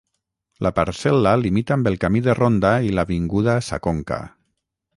La parcel·la limita amb el camí de ronda i l'avinguda Sa Conca.